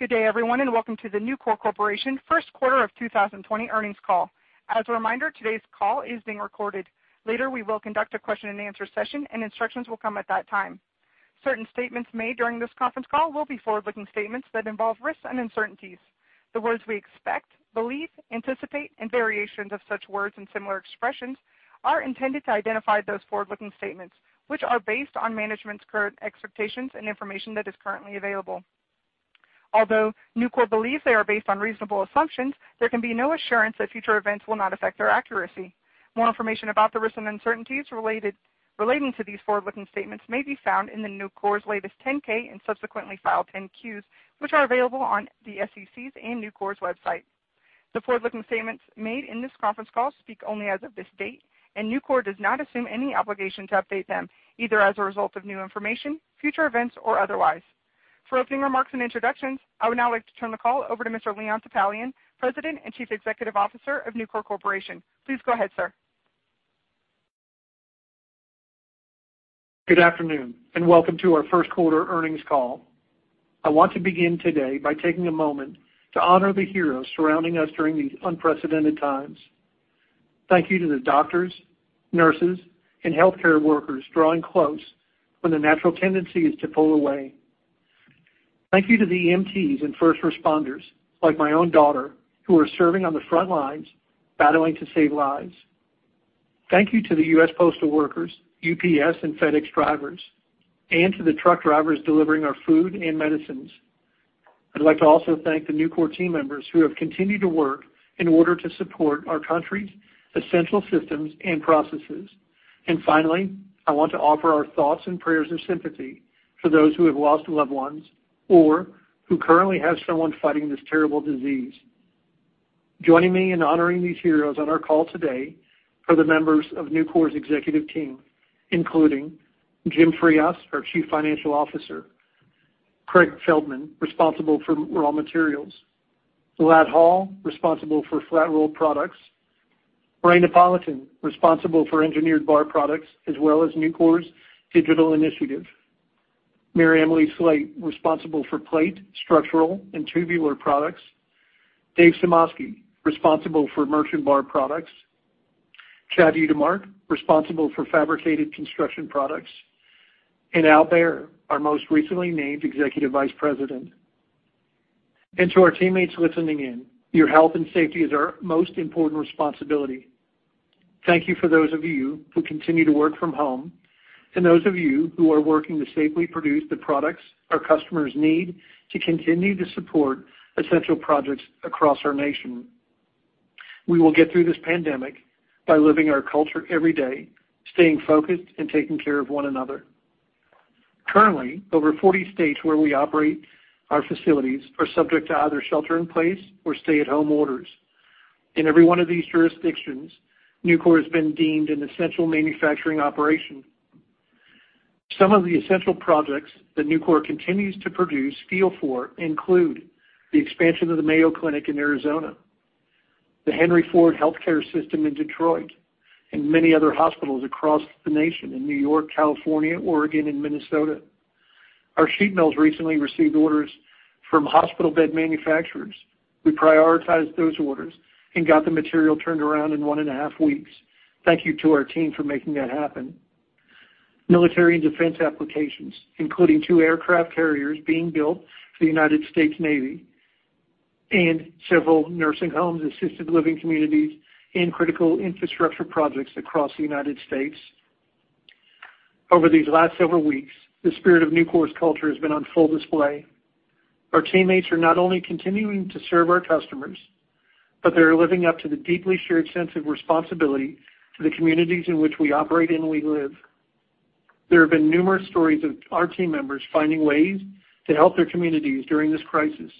Good day, everyone, and welcome to the Nucor Corporation Q1 of 2020 Earnings Call. As a reminder, today's call is being recorded. Later, we will conduct a question and answer session and instructions will come at that time. Certain statements made during this conference call will be forward-looking statements that involve risks and uncertainties. The words we expect, believe, anticipate, and variations of such words and similar expressions are intended to identify those forward-looking statements, which are based on management's current expectations and information that is currently available. Although Nucor believes they are based on reasonable assumptions, there can be no assurance that future events will not affect their accuracy. More information about the risks and uncertainties relating to these forward-looking statements may be found in the Nucor's latest 10-K and subsequently filed 10-Qs, which are available on the SEC's and Nucor's website. The forward-looking statements made in this conference call speak only as of this date, and Nucor does not assume any obligation to update them, either as a result of new information, future events, or otherwise. For opening remarks and introductions, I would now like to turn the call over to Mr. Leon Topalian, President and Chief Executive Officer of Nucor Corporation. Please go ahead, sir. Good afternoon, welcome to our Q1 Earnings Call. I want to begin today by taking a moment to honor the heroes surrounding us during these unprecedented times. Thank you to the doctors, nurses, and healthcare workers drawing close when the natural tendency is to pull away. Thank you to the EMTs and first responders, like my own daughter, who are serving on the front lines, battling to save lives. Thank you to the U.S. postal workers, UPS and FedEx drivers, and to the truck drivers delivering our food and medicines. I'd like to also thank the Nucor team members who have continued to work in order to support our country's essential systems and processes. Finally, I want to offer our thoughts and prayers and sympathy for those who have lost loved ones or who currently have someone fighting this terrible disease. Joining me in honoring these heroes on our call today are the members of Nucor's executive team, including Jim Frias, our Chief Financial Officer, Craig Feldman, responsible for raw materials, Ladd Hall, responsible for flat rolled products, Brian Napolitan, responsible for engineered bar products as well as Nucor's digital initiative, MaryEmily Slate, responsible for plate, structural, and tubular products, Dave Smoskey, responsible for merchant bar products, Chad Utermark, responsible for fabricated construction products, and Al Bayer, our most recently named Executive Vice President. To our teammates listening in, your health and safety is our most important responsibility. Thank you for those of you who continue to work from home and those of you who are working to safely produce the products our customers need to continue to support essential projects across our nation. We will get through this pandemic by living our culture every day, staying focused and taking care of one another. Currently, over 40 states where we operate our facilities are subject to either shelter-in-place or stay-at-home orders. In every one of these jurisdictions, Nucor has been deemed an essential manufacturing operation. Some of the essential projects that Nucor continues to produce steel for include the expansion of the Mayo Clinic in Arizona, the Henry Ford Health in Detroit, and many other hospitals across the nation in New York, California, Oregon, and Minnesota. Our sheet mills recently received orders from hospital bed manufacturers. We prioritized those orders and got the material turned around in one and a half weeks. Thank you to our team for making that happen. Military and defense applications, including two aircraft carriers being built for the United States Navy, and several nursing homes, assisted living communities, and critical infrastructure projects across the United States. Over these last several weeks, the spirit of Nucor's culture has been on full display. Our teammates are not only continuing to serve our customers, but they are living up to the deeply shared sense of responsibility to the communities in which we operate and we live. There have been numerous stories of our team members finding ways to help their communities during this crisis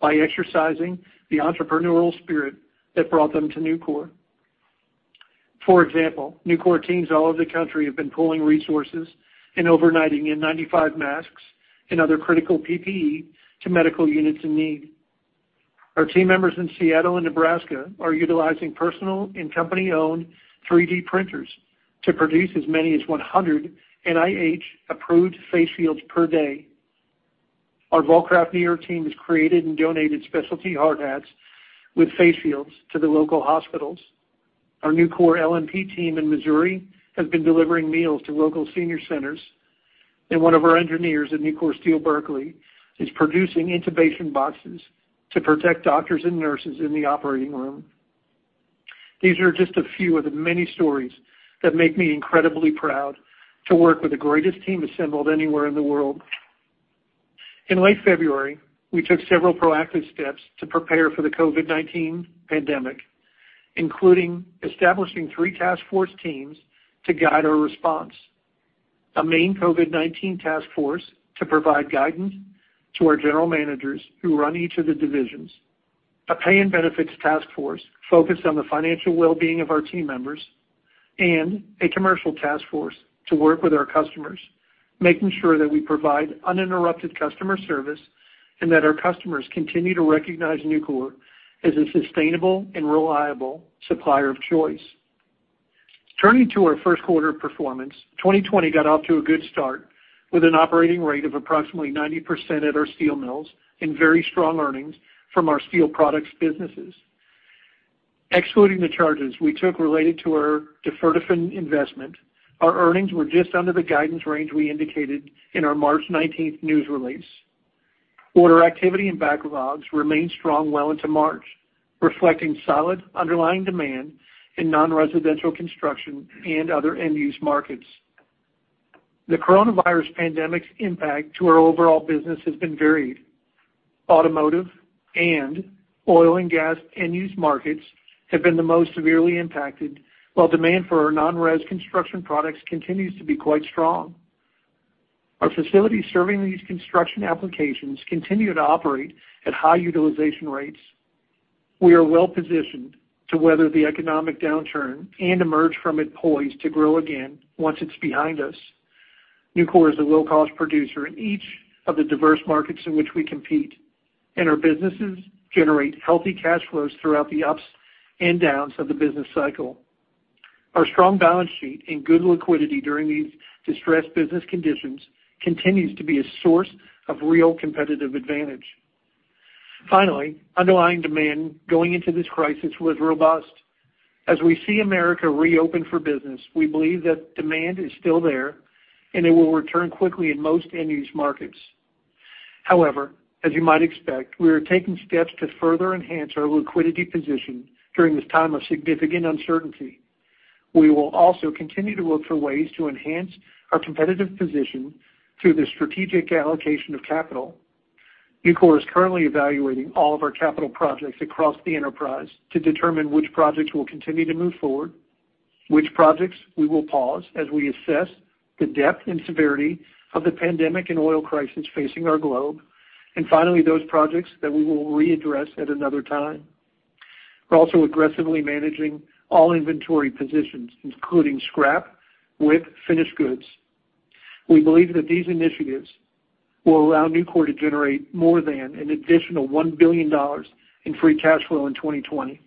by exercising the entrepreneurial spirit that brought them to Nucor. For example, Nucor teams all over the country have been pooling resources and overnighting N95 masks and other critical PPE to medical units in need. Our team members in Seattle and Nebraska are utilizing personal and company-owned 3D printers to produce as many as 100 NIH-approved face shields per day. Our Vulcraft New York team has created and donated specialty hard hats with face shields to the local hospitals. Our Nucor-LMP team in Missouri has been delivering meals to local senior centers. One of our engineers at Nucor Steel Berkeley is producing intubation boxes to protect doctors and nurses in the operating room. These are just a few of the many stories that make me incredibly proud to work with the greatest team assembled anywhere in the world. In late February, we took several proactive steps to prepare for the COVID-19 pandemic, including establishing three task force teams to guide our response, a main COVID-19 task force to provide guidance to our general managers who run each of the divisions. A pay and benefits task force focused on the financial well-being of our team members. A commercial task force to work with our customers, making sure that we provide uninterrupted customer service and that our customers continue to recognize Nucor as a sustainable and reliable supplier of choice. Turning to our Q1 performance, 2020 got off to a good start with an operating rate of approximately 90% at our steel mills and very strong earnings from our steel products businesses. Excluding the charges we took related to our Duferdofin investment, our earnings were just under the guidance range we indicated in our March 19th news release. Order activity and backlogs remained strong well into March, reflecting solid underlying demand in non-residential construction and other end-use markets. The coronavirus pandemic's impact to our overall business has been varied. Automotive and oil and gas end-use markets have been the most severely impacted, while demand for our non-res construction products continues to be quite strong. Our facilities serving these construction applications continue to operate at high utilization rates. We are well-positioned to weather the economic downturn and emerge from it poised to grow again once it's behind us. Nucor is a low-cost producer in each of the diverse markets in which we compete, and our businesses generate healthy cash flows throughout the ups and downs of the business cycle. Our strong balance sheet and good liquidity during these distressed business conditions continues to be a source of real competitive advantage. Finally, underlying demand going into this crisis was robust. As we see America reopen for business, we believe that demand is still there, and it will return quickly in most end-use markets. However, as you might expect, we are taking steps to further enhance our liquidity position during this time of significant uncertainty. We will also continue to look for ways to enhance our competitive position through the strategic allocation of capital. Nucor is currently evaluating all of our capital projects across the enterprise to determine which projects will continue to move forward, which projects we will pause as we assess the depth and severity of the pandemic and oil crisis facing our globe, and finally, those projects that we will readdress at another time. We're also aggressively managing all inventory positions, including scrap with finished goods. We believe that these initiatives will allow Nucor to generate more than an additional $1 billion in free cash flow in 2020.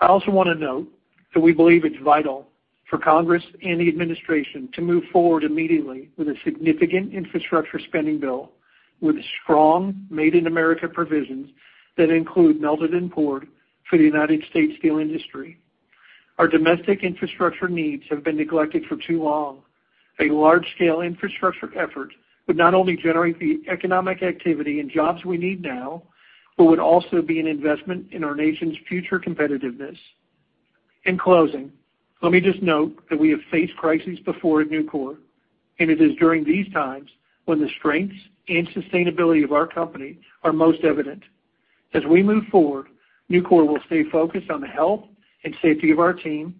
I also want to note that we believe it's vital for Congress and the administration to move forward immediately with a significant infrastructure spending bill with strong Made in America provisions that include melt and pour for the United States steel industry. Our domestic infrastructure needs have been neglected for too long. A large-scale infrastructure effort would not only generate the economic activity and jobs we need now, but would also be an investment in our nation's future competitiveness. In closing, let me just note that we have faced crises before at Nucor, and it is during these times when the strengths and sustainability of our company are most evident. As we move forward, Nucor will stay focused on the health and safety of our team,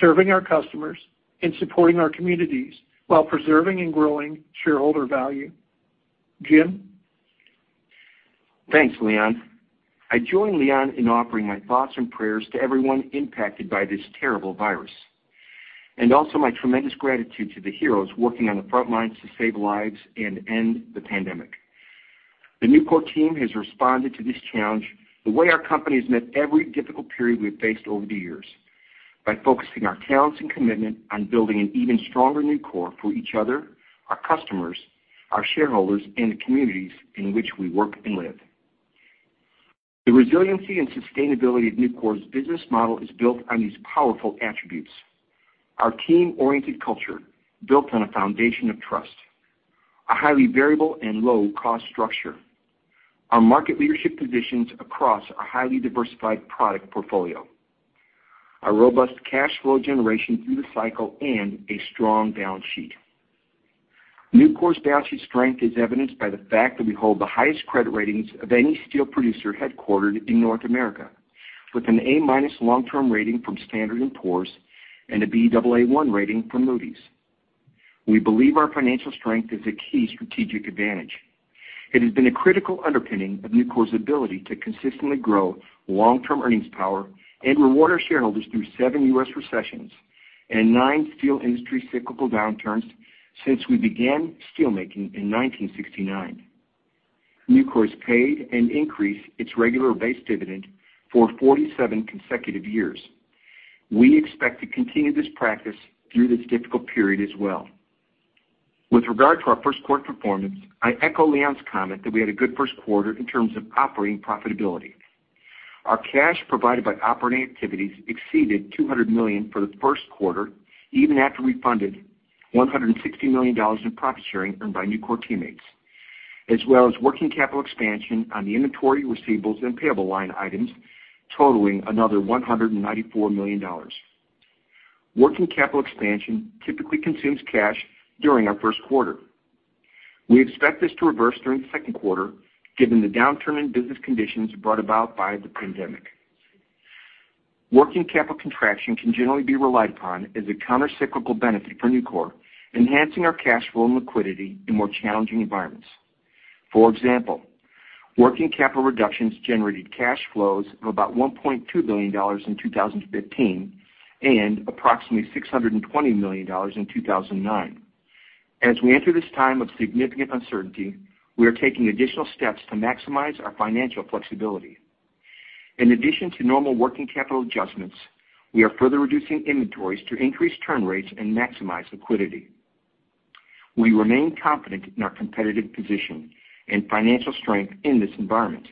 serving our customers, and supporting our communities while preserving and growing shareholder value. Jim? Thanks, Leon. I join Leon in offering my thoughts and prayers to everyone impacted by this terrible virus, and also my tremendous gratitude to the heroes working on the front lines to save lives and end the pandemic. The Nucor team has responded to this challenge the way our company has met every difficult period we've faced over the years, by focusing our talents and commitment on building an even stronger Nucor for each other, our customers, our shareholders, and the communities in which we work and live. The resiliency and sustainability of Nucor's business model is built on these powerful attributes, our team-oriented culture built on a foundation of trust, a highly variable and low-cost structure, our market leadership positions across a highly diversified product portfolio, a robust cash flow generation through the cycle, and a strong balance sheet. Nucor's balance sheet strength is evidenced by the fact that we hold the highest credit ratings of any steel producer headquartered in North America with an A- long-term rating from Standard & Poor's and a Baa1 rating from Moody's. We believe our financial strength is a key strategic advantage. It has been a critical underpinning of Nucor's ability to consistently grow long-term earnings power and reward our shareholders through seven U.S. recessions and nine steel industry cyclical downturns since we began steel making in 1969. Nucor has paid and increased its regular base dividend for 47 consecutive years. We expect to continue this practice through this difficult period as well. With regard to our Q1 performance, I echo Leon's comment that we had a good Q1 in terms of operating profitability. Our cash provided by operating activities exceeded $200 million for Q1, even after we funded $160 million in profit sharing earned by Nucor teammates, as well as working capital expansion on the inventory, receivables, and payable line items totaling another $194 million. Working capital expansion typically consumes cash during our Q1. We expect this to reverse during the Q2 given the downturn in business conditions brought about by the pandemic. Working capital contraction can generally be relied upon as a countercyclical benefit for Nucor, enhancing our cash flow and liquidity in more challenging environments. For example, working capital reductions generated cash flows of about $1.2 billion in 2015 and approximately $620 million in 2009. As we enter this time of significant uncertainty, we are taking additional steps to maximize our financial flexibility. In addition to normal working capital adjustments, we are further reducing inventories to increase turn rates and maximize liquidity. We remain confident in our competitive position and financial strength in this environment.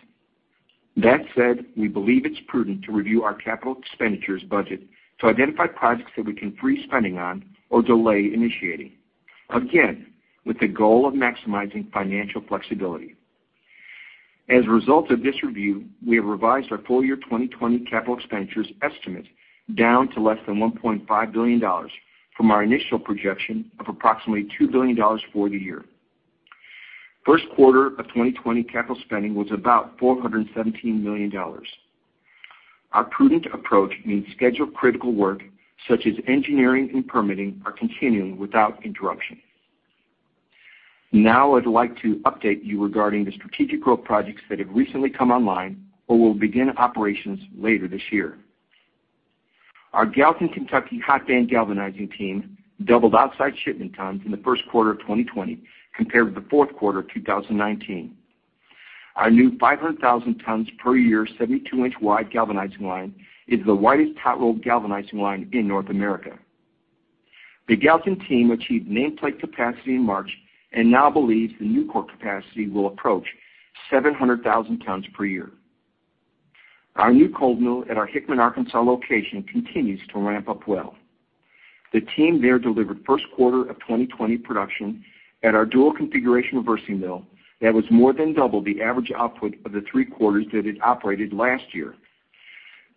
That said, we believe it's prudent to review our capital expenditures budget to identify projects that we can freeze spending on or delay initiating, again, with the goal of maximizing financial flexibility. As a result of this review, we have revised our full year 2020 capital expenditures estimate down to less than $1.5 billion from our initial projection of approximately $2 billion for the year. Q1 of 2020 capital spending was about $417 million. Our prudent approach means schedule-critical work, such as engineering and permitting, are continuing without interruption. Now I'd like to update you regarding the strategic growth projects that have recently come online or will begin operations later this year. Our Gallatin, Kentucky hot band galvanizing team doubled outside shipment times in the Q1 of 2020 compared to Q4 2019. Our new 500,000 tons per year, 72-inch wide galvanizing line is the widest hot-rolled galvanizing line in North America. The Gallatin team achieved nameplate capacity in March and now believes the Nucor capacity will approach 700,000 tons per year. Our new cold mill at our Hickman, Arkansas location continues to ramp up well. The team there delivered Q1 of 2020 production at our dual configuration reversing mill that was more than double the average output of the three quarters that it operated last year.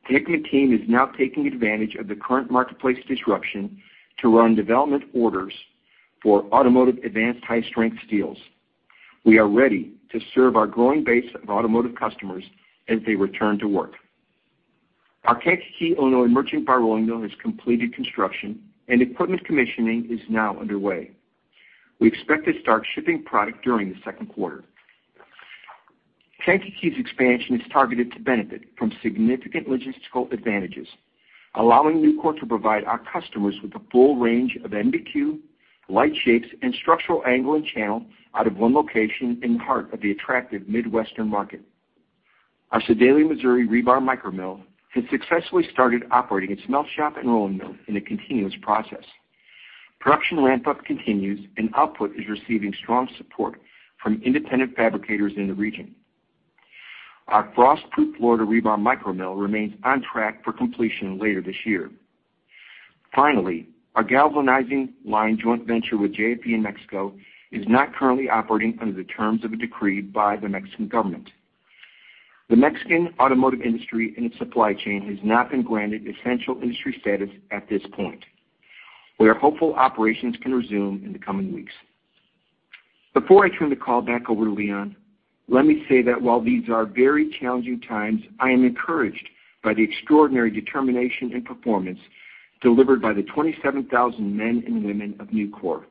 The Hickman team is now taking advantage of the current marketplace disruption to run development orders for automotive advanced high-strength steels. We are ready to serve our growing base of automotive customers as they return to work. Our Kankakee, Illinois merchant bar rolling mill has completed construction, and equipment commissioning is now underway. We expect to start shipping product during the Q2. Kankakee's expansion is targeted to benefit from significant logistical advantages, allowing Nucor to provide our customers with a full range of MBQ, light shapes, and structural angle and channel out of one location in the heart of the attractive Midwestern market. Our Sedalia, Missouri rebar micro mill has successfully started operating its smelt shop and rolling mill in a continuous process. Production ramp-up continues, and output is receiving strong support from independent fabricators in the region. Our Frostproof, Florida rebar micro mill remains on track for completion later this year. Finally, our galvanizing line joint venture with JFE in Mexico is not currently operating under the terms of a decree by the Mexican government. The Mexican automotive industry and its supply chain has not been granted essential industry status at this point. We are hopeful operations can resume in the coming weeks. Before I turn the call back over to Leon, let me say that while these are very challenging times, I am encouraged by the extraordinary determination and performance delivered by the 27,000 men and women of Nucor.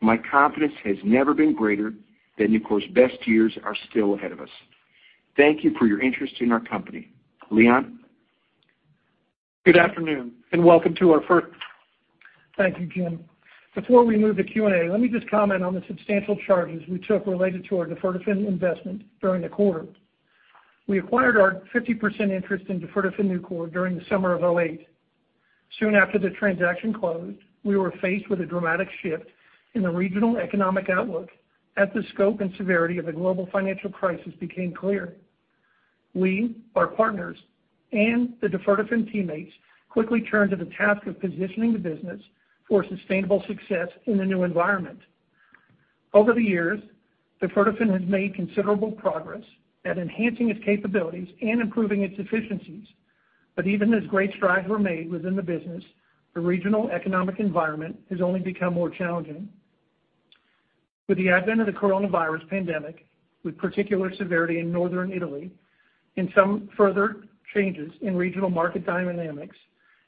My confidence has never been greater that Nucor's best years are still ahead of us. Thank you for your interest in our company. Leon? Good afternoon, and welcome. Thank you, Jim. Before we move to Q&A, let me just comment on the substantial charges we took related to our Duferdofin investment during the quarter. We acquired our 50% interest in Duferdofin-Nucor during the summer of 2008. Soon after the transaction closed, we were faced with a dramatic shift in the regional economic outlook as the scope and severity of the global financial crisis became clear. We, our partners, and the Duferdofin teammates quickly turned to the task of positioning the business for sustainable success in the new environment. Over the years, Duferdofin has made considerable progress at enhancing its capabilities and improving its efficiencies. Even as great strides were made within the business, the regional economic environment has only become more challenging. With the advent of the coronavirus pandemic, with particular severity in northern Italy and some further changes in regional market dynamics,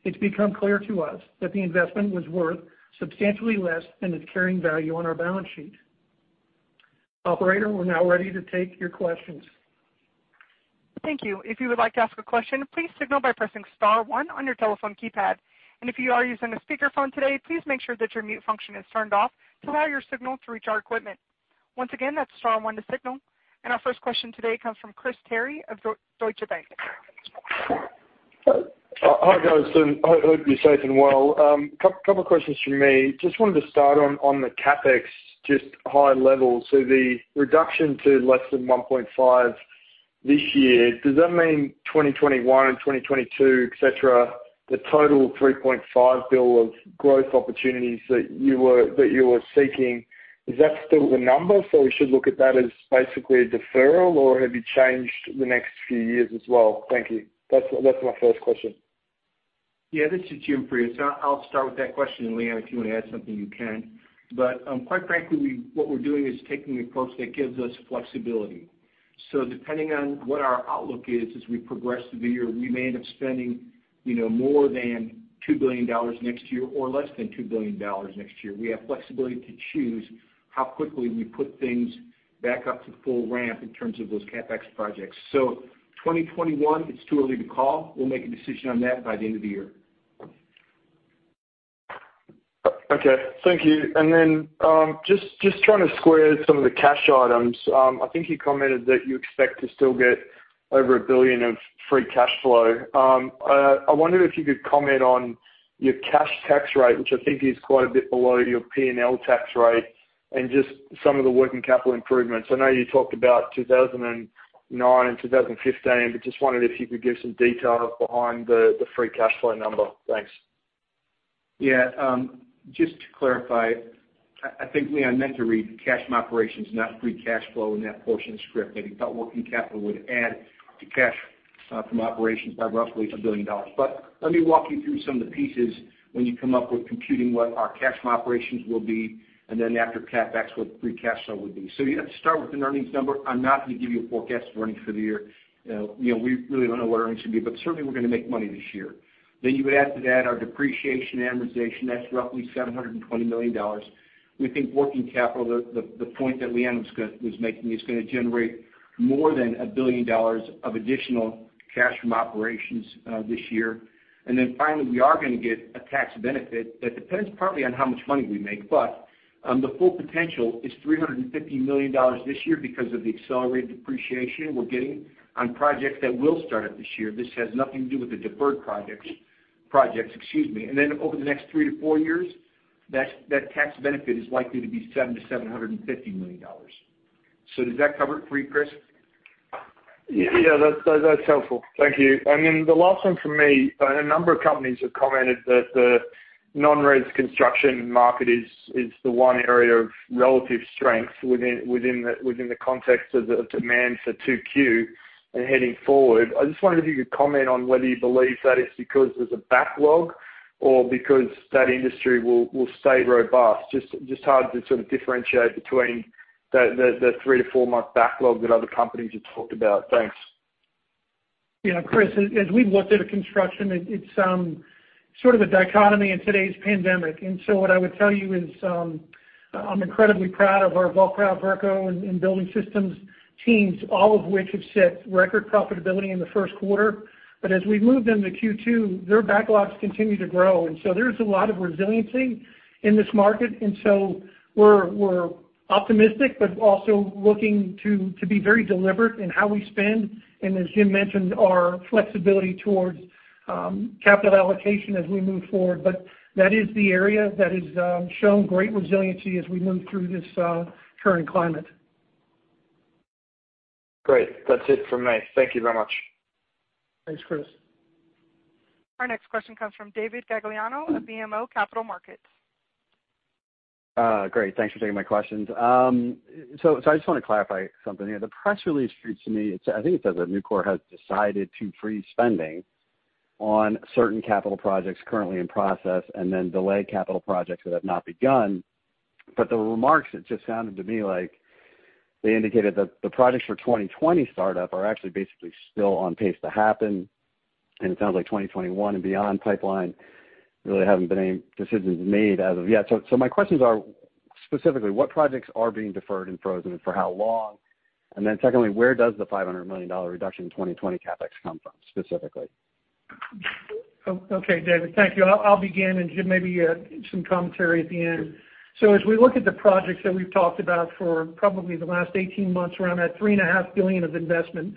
it's become clear to us that the investment was worth substantially less than its carrying value on our balance sheet. Operator, we're now ready to take your questions. Thank you. If you would like to ask a question, please signal by pressing star one on your telephone keypad. If you are using a speakerphone today, please make sure that your mute function is turned off to allow your signal to reach our equipment. Once again, that's star one to signal. Our first question today comes from Chris Terry of Deutsche Bank. Hi, guys. Hope you're safe and well. Couple of questions from me. Just wanted to start on the CapEx, just high level. The reduction to less than $1.5 billion this year, does that mean 2021 and 2022, et cetera, the total $3.5 billion of growth opportunities that you were seeking, is that still the number? We should look at that as basically a deferral, or have you changed the next few years as well? Thank you. That's my first question. Yeah, this is Jim Frias. I'll start with that question, and Leon, if you want to add something, you can. Quite frankly, what we're doing is taking an approach that gives us flexibility. Depending on what our outlook is as we progress through the year, we may end up spending more than $2 billion next year or less than $2 billion next year. We have flexibility to choose how quickly we put things back up to full ramp in terms of those CapEx projects. 2021, it's too early to call. We'll make a decision on that by the end of the year. Okay. Thank you. Then just trying to square some of the cash items. I think you commented that you expect to still get over $1 billion of free cash flow. I wonder if you could comment on your cash tax rate, which I think is quite a bit below your P&L tax rate, and just some of the working capital improvements. I know you talked about 2009 and 2015, but just wondered if you could give some detail behind the free cash flow number. Thanks. Yeah. Just to clarify, I think Leon meant to read cash from operations, not free cash flow in that portion of the script. Maybe thought working capital would add to cash from operations by roughly $1 billion. Let me walk you through some of the pieces when you come up with computing what our cash from operations will be, and then after CapEx, what free cash flow will be. You have to start with an earnings number. I'm not going to give you a forecast of earnings for the year. We really don't know what earnings will be, but certainly we're going to make money this year. You would add to that our depreciation and amortization. That's roughly $720 million. We think working capital, the point that Leon was making, is going to generate more than $1 billion of additional cash from operations this year. Finally, we are going to get a tax benefit that depends partly on how much money we make. The full potential is $350 million this year because of the accelerated depreciation we're getting on projects that will start up this year. This has nothing to do with the deferred projects. Over the next three to four years, that tax benefit is likely to be $700 million-$750 million. Does that cover it for you, Chris? Yeah. That's helpful. Thank you. The last one from me, a number of companies have commented that the non-res construction market is the one area of relative strength within the context of the demand for Q2 and heading forward. I just wondered if you could comment on whether you believe that is because there's a backlog or because that industry will stay robust. Just hard to sort of differentiate between the three to four month backlog that other companies have talked about. Thanks. Yeah, Chris, as we've looked at construction, it's sort of a dichotomy in today's pandemic. What I would tell you is, I'm incredibly proud of our Vulcraft, Verco, and building systems teams, all of which have set record profitability in Q1. As we've moved into Q2, their backlogs continue to grow. There's a lot of resiliency in this market, and so we're optimistic, but also looking to be very deliberate in how we spend, and as Jim mentioned, our flexibility towards capital allocation as we move forward. That is the area that has shown great resiliency as we move through this current climate. Great. That's it from me. Thank you very much. Thanks, Chris. Our next question comes from David Gagliano of BMO Capital Markets. Great. Thanks for taking my questions. I just want to clarify something here. The press release reads to me, I think it says that Nucor has decided to freeze spending on certain capital projects currently in process and then delay capital projects that have not begun. The remarks, it just sounded to me like they indicated that the projects for 2020 startup are actually basically still on pace to happen, and it sounds like 2021 and beyond pipeline really haven't been any decisions made as of yet. My questions are specifically, what projects are being deferred and frozen, and for how long? Secondly, where does the $500 million reduction in 2020 CapEx come from specifically? Okay. David, thank you. I'll begin and Jim, maybe some commentary at the end. As we look at the projects that we've talked about for probably the last 18 months around that $3.5 billion of investment,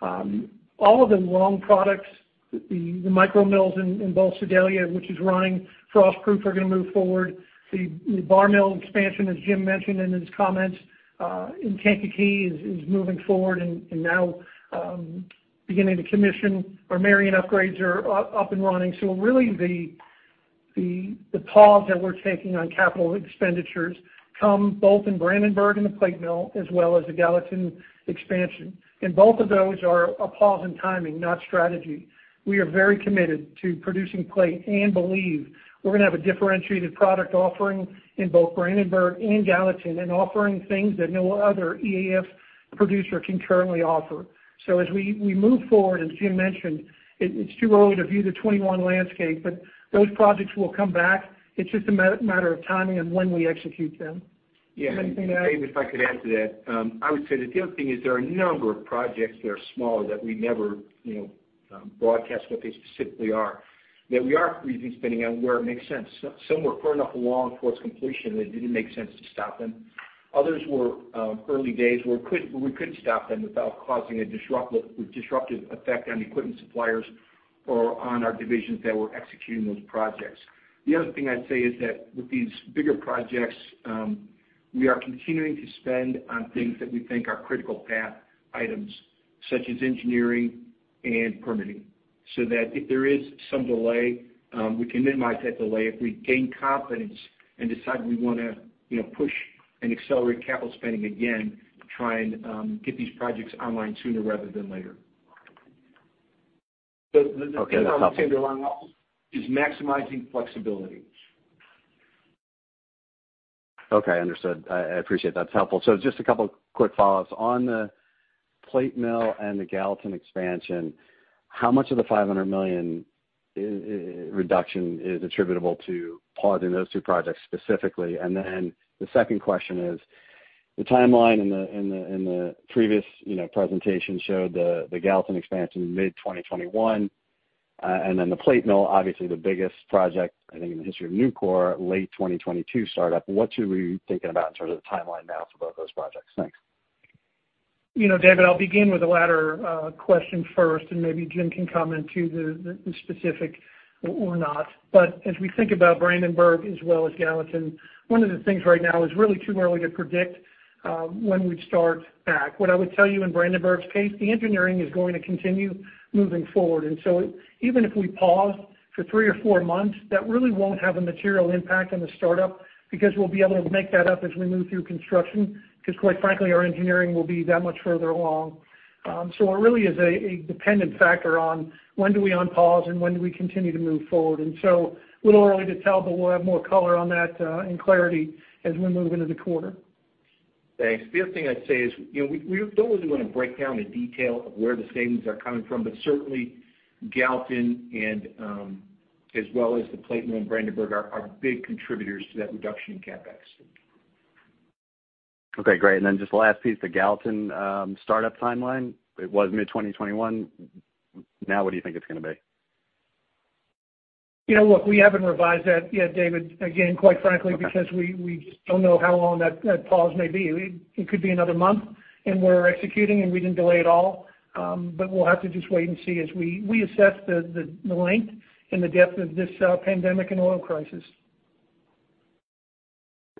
all of the long products, the micro mills in Sedalia, which is running frost-proof, are going to move forward. The bar mill expansion, as Jim mentioned in his comments, in Kankakee is moving forward and now beginning to commission. Our Marion upgrades are up and running. Really the pause that we're taking on capital expenditures come both in Brandenburg in the plate mill as well as the Gallatin expansion. Both of those are a pause in timing, not strategy. We are very committed to producing plate and believe we're going to have a differentiated product offering in both Brandenburg and Gallatin and offering things that no other EAF producer can currently offer. As we move forward, as Jim mentioned, it's too early to view the 2021 landscape, but those projects will come back. It's just a matter of timing and when we execute them. Do you have anything to add? Yeah. David, if I could add to that. I would say that the other thing is there are a number of projects that are smaller that we never broadcast what they specifically are, that we are freezing spending on where it makes sense. Some were far enough along towards completion that it didn't make sense to stop them. Others were early days where we could stop them without causing a disruptive effect on equipment suppliers or on our divisions that were executing those projects. The other thing I'd say is that with these bigger projects, we are continuing to spend on things that we think are critical path items, such as engineering and permitting, so that if there is some delay, we can minimize that delay if we gain confidence and decide we want to push and accelerate capital spending again to try and get these projects online sooner rather than later. Okay. The other thing I would say to your line is maximizing flexibility. Okay, understood. I appreciate that. It's helpful. Just a couple of quick follow-ups. On the plate mill and the Gallatin expansion, how much of the $500 million reduction is attributable to pausing those two projects specifically? The second question is the timeline in the previous presentation showed the Gallatin expansion mid-2021, and then the plate mill, obviously the biggest project, I think, in the history of Nucor, late 2022 startup. What should we be thinking about in terms of the timeline now for both those projects? Thanks. David, I'll begin with the latter question first, and maybe Jim can comment to the specific or not. As we think about Brandenburg as well as Gallatin, one of the things right now is really too early to predict when we'd start back. What I would tell you in Brandenburg's case, the engineering is going to continue moving forward. Even if we pause for three or four months, that really won't have a material impact on the startup because we'll be able to make that up as we move through construction, because quite frankly, our engineering will be that much further along. It really is a dependent factor on when do we unpause and when do we continue to move forward. A little early to tell, but we'll have more color on that and clarity as we move into the quarter. Thanks. The other thing I'd say is we don't really want to break down the detail of where the savings are coming from, but certainly Gallatin as well as the plate mill in Brandenburg are big contributors to that reduction in CapEx. Okay, great. Just the last piece, the Gallatin startup timeline. It was mid-2021. What do you think it's going to be? Look, we haven't revised that yet, David, again, quite frankly, because we just don't know how long that pause may be. It could be another month, and we're executing, and we didn't delay at all. We'll have to just wait and see as we assess the length and the depth of this pandemic and oil crisis.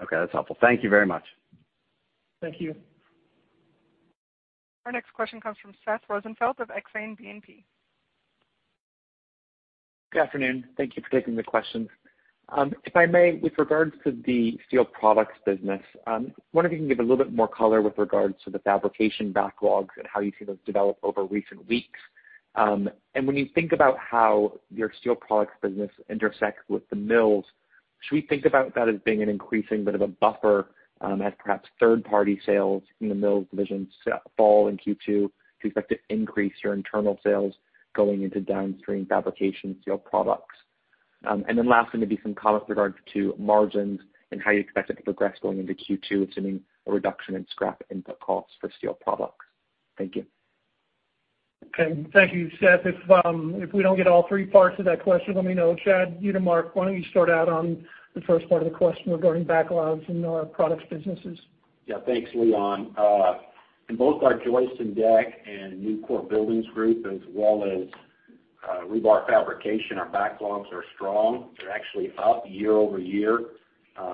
Okay, that's helpful. Thank you very much. Thank you. Our next question comes from Seth Rosenfeld of Exane BNP. Good afternoon. Thank you for taking the questions. If I may, with regards to the steel products business, I wonder if you can give a little bit more color with regards to the fabrication backlogs and how you see those develop over recent weeks. When you think about how your steel products business intersects with the mills, should we think about that as being an increasing bit of a buffer as perhaps third-party sales in the mills division fall in Q2 to expect to increase your internal sales going into downstream fabrication steel products? Last, maybe some comments with regards to margins and how you expect it to progress going into Q2 assuming a reduction in scrap input costs for steel products. Thank you. Okay. Thank you, Seth. If we don't get all three parts of that question, let me know. Chad Utermark, why don't you start out on the first part of the question regarding backlogs in our products businesses? Yeah, thanks, Leon. In both our joist and deck and Nucor Buildings Group as well as rebar fabrication, our backlogs are strong. They're actually up year-over-year.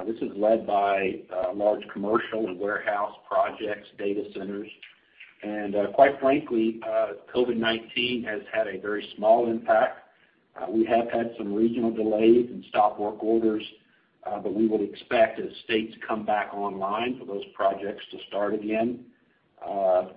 This is led by large commercial and warehouse projects, data centers. Quite frankly, COVID-19 has had a very small impact. We have had some regional delays and stop work orders. We would expect as states come back online for those projects to start again.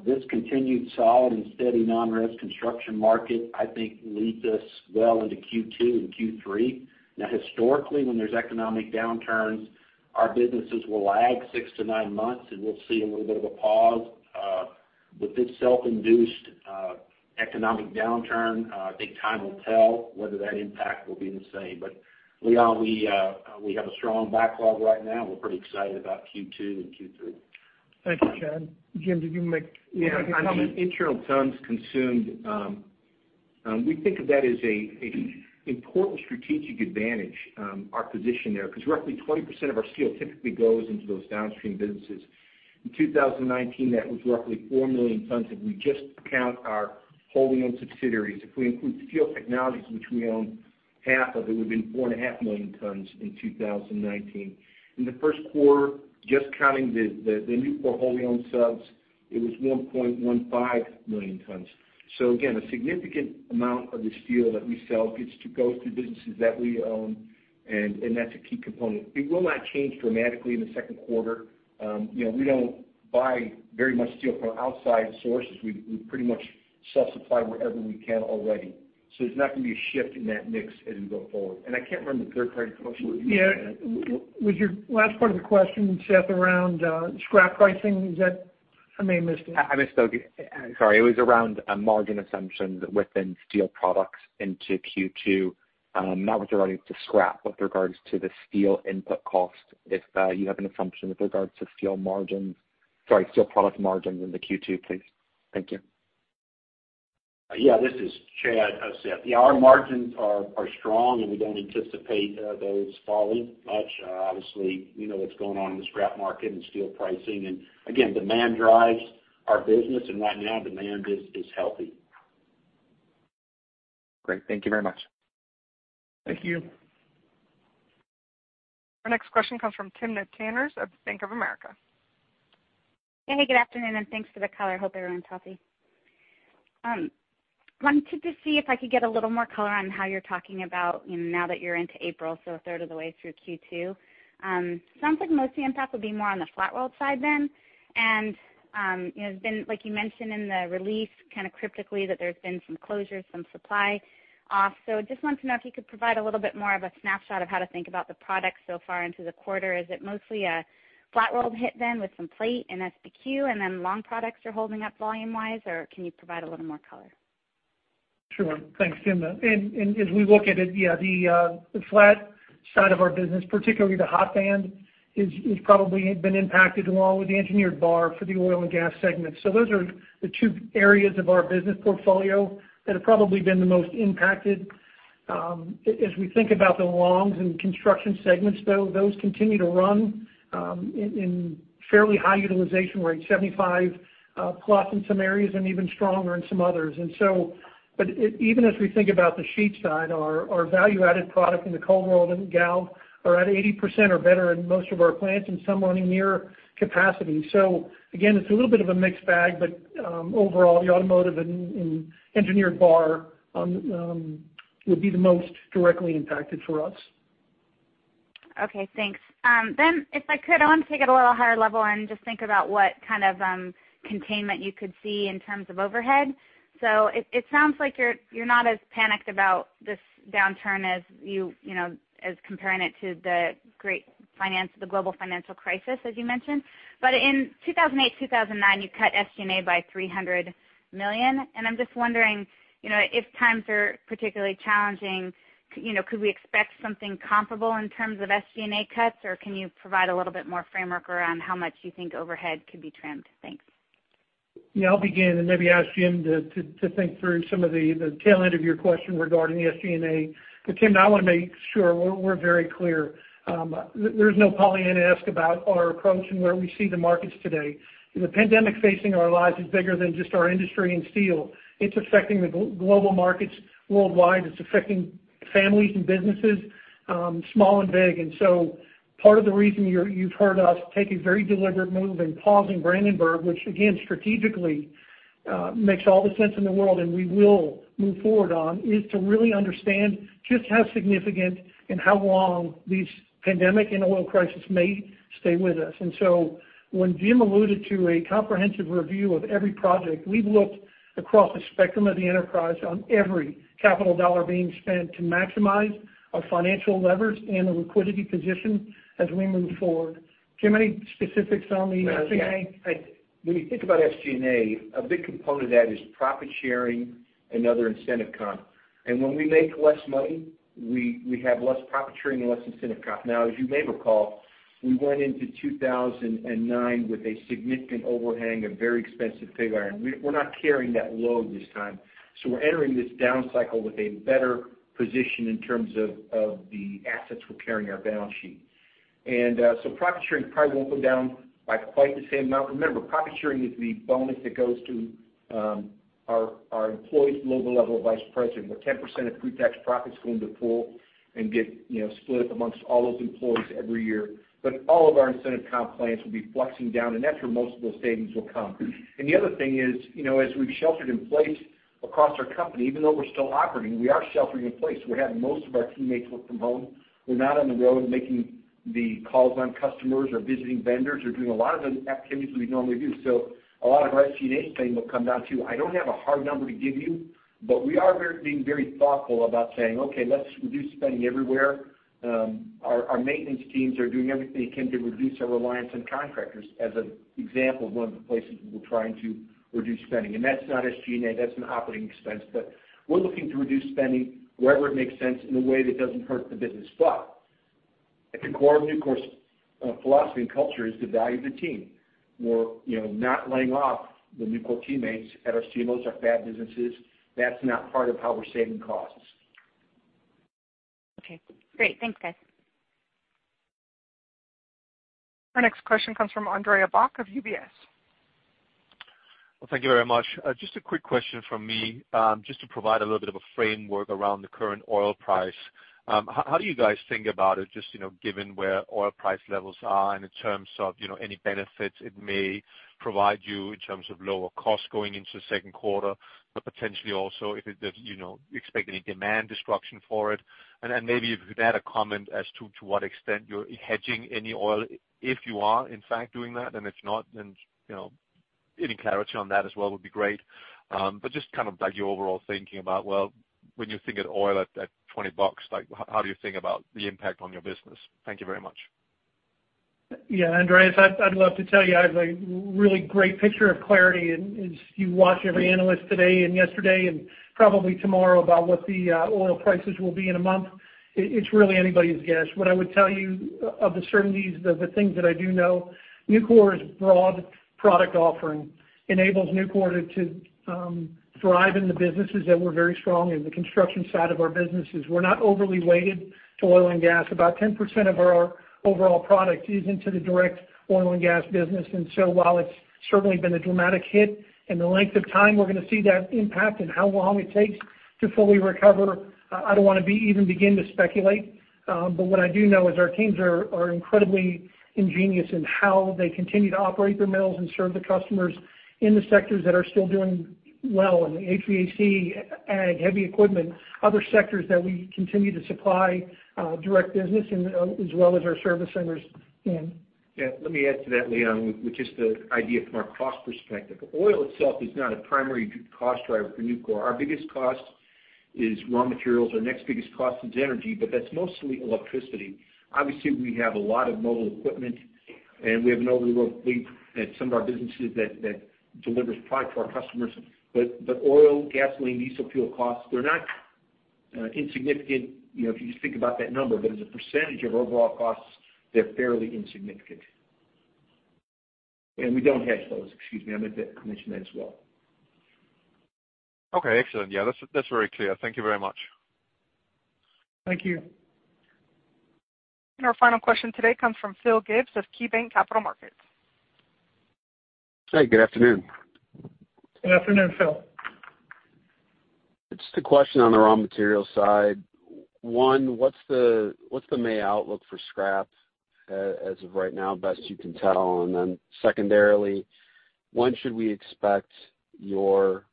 This continued solid and steady non-risk construction market, I think leads us well into Q2 and Q3. Historically, when there's economic downturns, our businesses will lag six to nine months, and we'll see a little bit of a pause. With this self-induced economic downturn, I think time will tell whether that impact will be the same. Leon, we have a strong backlog right now. We're pretty excited about Q2 and Q3. Thank you, Chad. Jim, did you want to make a comment? Internal tons consumed, we think of that as an important strategic advantage, our position there, because roughly 20% of our steel typically goes into those downstream businesses. In 2019, that was roughly 4 million tons, if we just count our wholly owned subsidiaries. If we include Steel Technologies, which we own half of, it would have been 4.5 million tons in 2019. In Q1, just counting the Nucor wholly owned subs, it was 1.15 million tons. Again, a significant amount of the steel that we sell gets to go through businesses that we own, and that's a key component. It will not change dramatically in Q2. We don't buy very much steel from outside sources. We pretty much self-supply wherever we can already. There's not going to be a shift in that mix as we go forward. I can't remember the third part of the question. Yeah. Was your last part of the question, Seth, around scrap pricing? I may have missed it. I misspoke. Sorry. It was around margin assumptions within steel products into Q2. Not with regards to scrap, with regards to the steel input cost. If you have an assumption with regards to steel margins, sorry, steel product margins into Q2, please. Thank you. Yeah, this is Chad, Seth. Our margins are strong, and we don't anticipate those falling much. Obviously, you know what's going on in the scrap market and steel pricing. Again, demand drives our business, and right now demand is healthy. Great. Thank you very much. Thank you. Our next question comes from Timna Tanners of Bank of America. Hey, good afternoon, thanks for the color. Hope everyone's healthy. Wanted to see if I could get a little more color on how you're talking about now that you're into April, so a third of the way through Q2. Sounds like most of the impact will be more on the flat-rolled side then. Like you mentioned in the release, kind of cryptically, that there's been some closures, some supply off. Just wanted to know if you could provide a little bit more of a snapshot of how to think about the product so far into the quarter. Is it mostly a flat-rolled hit then with some plate and SBQ, and then long products are holding up volume wise, or can you provide a little more color? Sure. Thanks, Timna. As we look at it, yeah, the flat side of our business, particularly the hot band, is probably been impacted along with the engineered bar for the oil and gas segment. Those are the two areas of our business portfolio that have probably been the most impacted. As we think about the longs and construction segments, though, those continue to run in fairly high utilization rates, 75%+ in some areas and even stronger in some others. Even as we think about the sheet side, our value-added product in the cold rolled and gal are at 80% or better in most of our plants and some running near capacity. Again, it's a little bit of a mixed bag, but overall, the automotive and engineered bar would be the most directly impacted for us. Okay, thanks. If I could, I want to take it a little higher level and just think about what kind of containment you could see in terms of overhead. It sounds like you're not as panicked about this downturn as comparing it to the global financial crisis, as you mentioned. In 2008, 2009, you cut SG&A by $300 million. I'm just wondering, if times are particularly challenging, could we expect something comparable in terms of SG&A cuts? Can you provide a little bit more framework around how much you think overhead could be trimmed? Thanks. Yeah, I'll begin and maybe ask Jim to think through some of the tail end of your question regarding the SG&A. Jim, I want to make sure we're very clear. There's no Pollyanna-esque about our approach and where we see the markets today. The pandemic facing our lives is bigger than just our industry and steel. It's affecting the global markets worldwide. It's affecting families and businesses, small and big. Part of the reason you've heard us take a very deliberate move in pausing Brandenburg, which again, strategically, makes all the sense in the world and we will move forward on, is to really understand just how significant and how long these pandemic and oil crisis may stay with us. When Jim alluded to a comprehensive review of every project, we've looked across the spectrum of the enterprise on every capital dollar being spent to maximize our financial levers and the liquidity position as we move forward. Jim, any specifics on the SG&A? When you think about SG&A, a big component of that is profit sharing and other incentive comp. When we make less money, we have less profit sharing and less incentive comp. As you may recall, we went into 2009 with a significant overhang of very expensive pig iron. We're not carrying that load this time. We're entering this down cycle with a better position in terms of the assets we're carrying our balance sheet. Profit sharing probably won't go down by quite the same amount. Remember, profit sharing is the bonus that goes to our employees below the level of vice president, where 10% of pre-tax profits go into a pool and get split up amongst all those employees every year. All of our incentive comp plans will be flexing down, and that's where most of those savings will come. The other thing is, as we've sheltered in place across our company, even though we're still operating, we are sheltering in place. We're having most of our teammates work from home. We're not on the road making the calls on customers or visiting vendors or doing a lot of the activities that we normally do. A lot of our SG&A spending will come down, too. I don't have a hard number to give you, but we are being very thoughtful about saying, "Okay, let's reduce spending everywhere." Our maintenance teams are doing everything they can to reduce our reliance on contractors as an example of one of the places we're trying to reduce spending. That's not SG&A, that's an operating expense. We're looking to reduce spending wherever it makes sense in a way that doesn't hurt the business. At the core of Nucor's philosophy and culture is the value of the team. We're not laying off the Nucor teammates at our COs, our fab businesses. That's not part of how we're saving costs. Okay, great. Thanks, guys. Our next question comes from Andreas Bokkenheuser of UBS. Well, thank you very much. Just a quick question from me, just to provide a little bit of a framework around the current oil price. How do you guys think about it, just given where oil price levels are and in terms of any benefits it may provide you in terms of lower cost going into Q2, but potentially also if you expect any demand destruction for it? Maybe if you could add a comment as to what extent you're hedging any oil, if you are in fact doing that, and if not, then any clarity on that as well would be great. Just kind of your overall thinking about, well, when you think of oil at $20, how do you think about the impact on your business? Thank you very much. Yeah, Andreas, I'd love to tell you I have a really great picture of clarity as you watch every analyst today and yesterday and probably tomorrow about what the oil prices will be in a month. It's really anybody's guess. What I would tell you of the certainties of the things that I do know, Nucor's broad product offering enables Nucor to thrive in the businesses that we're very strong in, the construction side of our businesses. We're not overly weighted to oil and gas. About 10% of our overall product is into the direct oil and gas business. While it's certainly been a dramatic hit in the length of time we're going to see that impact and how long it takes to fully recover, I don't want to even begin to speculate. What I do know is our teams are incredibly ingenious in how they continue to operate their mills and serve the customers in the sectors that are still doing well in the HVAC, heavy equipment, other sectors that we continue to supply direct business as well as our service centers. Jim. Yeah, let me add to that, Leon, with just the idea from our cost perspective. Oil itself is not a primary cost driver for Nucor. Our biggest cost is raw materials. Our next biggest cost is energy, but that's mostly electricity. Obviously, we have a lot of mobile equipment, and we have an overall fleet at some of our businesses that delivers product to our customers. Oil, gasoline, diesel fuel costs, they're not insignificant, if you just think about that number, but as a percentage of overall costs, they're fairly insignificant. We don't hedge those, excuse me, I meant to mention that as well. Okay, excellent. Yeah, that's very clear. Thank you very much. Thank you. Our final question today comes from Philip Gibbs of KeyBanc Capital Markets. Hey, good afternoon. Good afternoon, Philip. Just a question on the raw material side. One, what's the May outlook for scrap as of right now, best you can tell? Secondarily, when should we expect your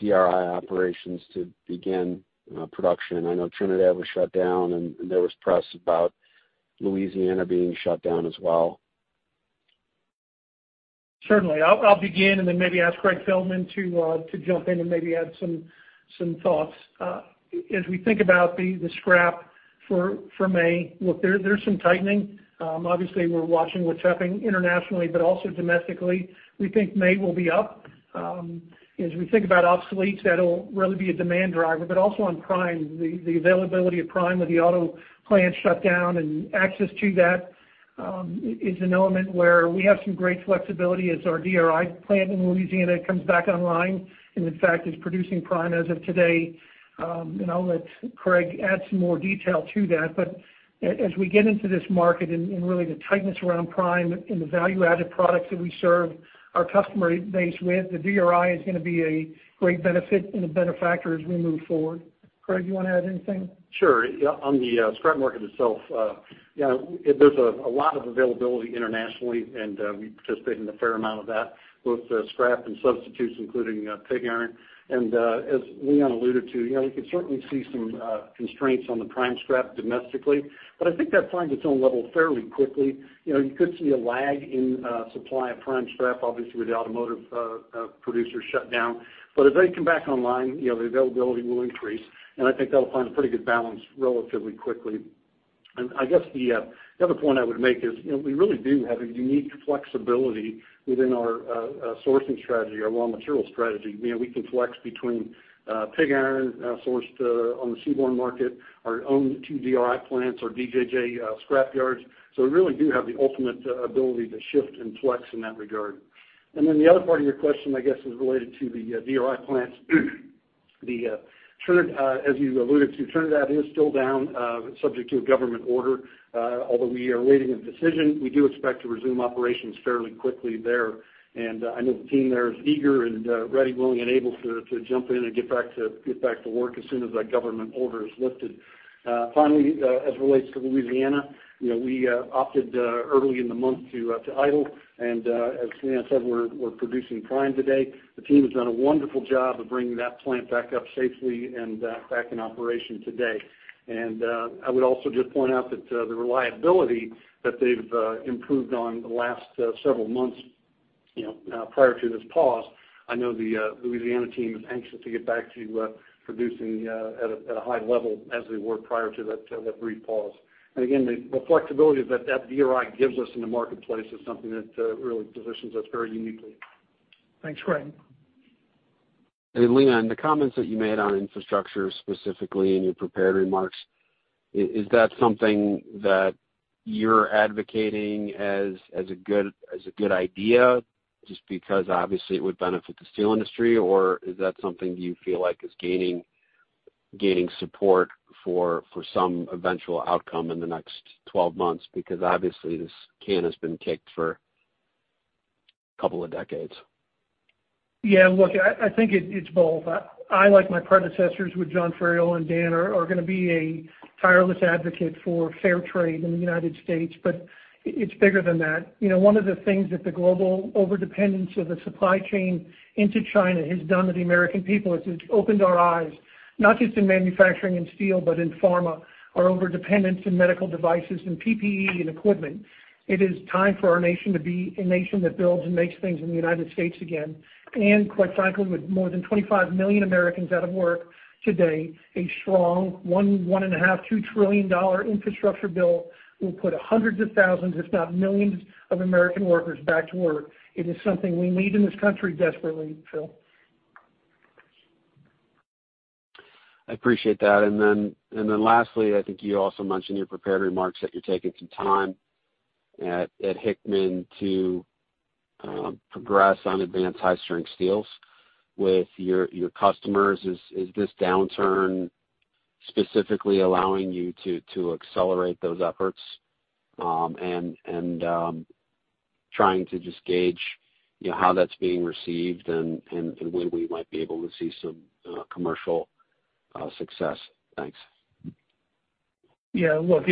DRI operations to begin production? I know Trinidad was shut down, and there was press about Louisiana being shut down as well. Certainly. I'll begin and then maybe ask Craig Feldman to jump in and maybe add some thoughts. As we think about the scrap for May, look, there's some tightening. Obviously, we're watching what's happening internationally, but also domestically. We think May will be up. As we think about obsoletes, that'll really be a demand driver, but also on prime, the availability of prime with the auto plants shut down and access to that, is an element where we have some great flexibility as our DRI plant in Louisiana comes back online, and in fact, is producing prime as of today. I'll let Craig add some more detail to that. As we get into this market and really the tightness around prime and the value-added products that we serve our customer base with, the DRI is going to be a great benefit and a benefactor as we move forward. Craig, you want to add anything? Sure. On the scrap market itself, there's a lot of availability internationally, and we participate in a fair amount of that, both scrap and substitutes, including pig iron. As Leon alluded to, we could certainly see some constraints on the prime scrap domestically. I think that finds its own level fairly quickly. You could see a lag in supply of prime scrap, obviously, with the automotive producers shut down. As they come back online, the availability will increase, and I think that'll find a pretty good balance relatively quickly. I guess the other point I would make is, we really do have a unique flexibility within our sourcing strategy, our raw material strategy. We can flex between pig iron sourced on the seaborne market, our own two DRI plants, our DJJ scrap yards. We really do have the ultimate ability to shift and flex in that regard. Then the other part of your question, I guess, is related to the DRI plants. As you alluded to, Trinidad is still down, subject to a government order. Although we are awaiting a decision, we do expect to resume operations fairly quickly there. I know the team there is eager and ready, willing, and able to jump in and get back to work as soon as that government order is lifted. As it relates to Louisiana, we opted early in the month to idle, and, as Leon said, we're producing prime today. The team has done a wonderful job of bringing that plant back up safely and back in operation today. I would also just point out that the reliability that they've improved on the last several months, prior to this pause, I know the Louisiana team is anxious to get back to producing at a high level as they were prior to that brief pause. Again, the flexibility that that DRI gives us in the marketplace is something that really positions us very uniquely. Thanks, Craig. Hey, Leon, the comments that you made on infrastructure, specifically in your prepared remarks, is that something that you're advocating as a good idea, just because obviously it would benefit the steel industry? Or is that something you feel like is gaining support for some eventual outcome in the next 12 months? Obviously, this can has been kicked for a couple of decades. Yeah, look, I think it's both. I, like my predecessors with John Ferriola and Dan, are going to be a tireless advocate for fair trade in the United States. It's bigger than that. One of the things that the global overdependence of the supply chain into China has done to the American people is it's opened our eyes, not just in manufacturing and steel, but in pharma. Our overdependence in medical devices and PPE and equipment. It is time for our nation to be a nation that builds and makes things in the United States again. Quite frankly, with more than 25 million Americans out of work today, a strong $1 trillion, $1.5 trillion, $2 trillion infrastructure bill will put hundreds of thousands, if not millions, of American workers back to work. It is something we need in this country desperately, Phil. I appreciate that. Then lastly, I think you also mentioned in your prepared remarks that you're taking some time at Hickman to progress on advanced high-strength steels with your customers. Is this downturn specifically allowing you to accelerate those efforts? Trying to just gauge how that's being received and when we might be able to see some commercial success. Thanks. Yeah, look,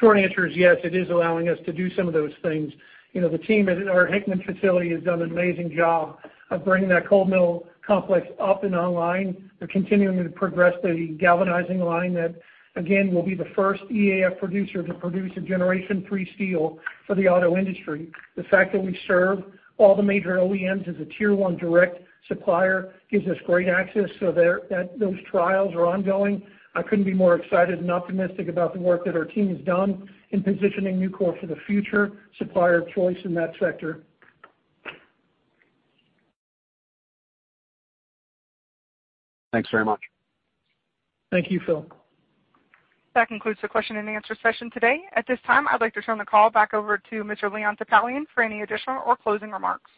short answer is yes, it is allowing us to do some of those things. The team at our Hickman facility has done an amazing job of bringing that cold mill complex up and online. They're continuing to progress the galvanizing line that, again, we'll be the first EAF producer to produce a Generation 3 steel for the auto industry. The fact that we serve all the major OEMs as a Tier 1 direct supplier gives us great access. Those trials are ongoing. I couldn't be more excited and optimistic about the work that our team has done in positioning Nucor for the future supplier of choice in that sector. Thanks very much. Thank you, Philip. That concludes the question and answer session today. At this time, I'd like to turn the call back over to Mr. Leon Topalian for any additional or closing remarks.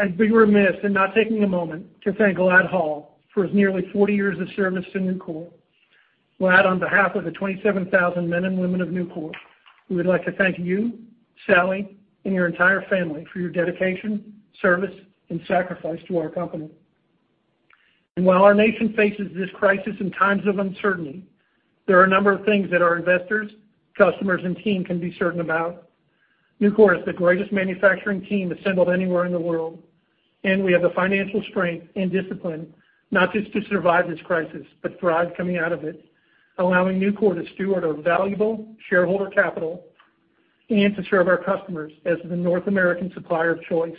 I'd be remiss in not taking a moment to thank Ladd Hall for his nearly 40 years of service to Nucor. Ladd, on behalf of the 27,000 men and women of Nucor, we would like to thank you, Sally, and your entire family for your dedication, service, and sacrifice to our company. While our nation faces this crisis in times of uncertainty, there are a number of things that our investors, customers, and team can be certain about. Nucor is the greatest manufacturing team assembled anywhere in the world, and we have the financial strength and discipline not just to survive this crisis, but thrive coming out of it, allowing Nucor to steward our valuable shareholder capital and to serve our customers as the North American supplier of choice.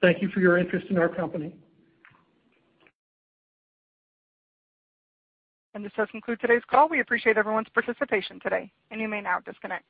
Thank you for your interest in our company. This does conclude today's call. We appreciate everyone's participation today, and you may now disconnect.